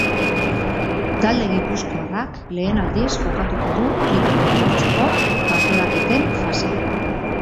Talde gipuzkoarrak lehen aldiz jokatuko du titulua lortzeko kanporaketen fasea.